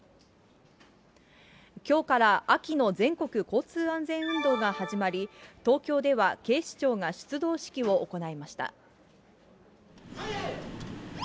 きょうから秋の全国交通安全運動が始まり、東京では警視庁が出動式を行いました。